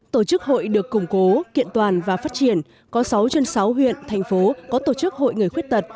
tổ chức hội được củng cố kiện toàn và phát triển có sáu trên sáu huyện thành phố có tổ chức hội người khuyết tật